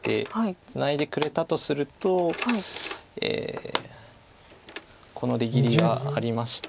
ツナいでくれたとするとこの出切りがありまして。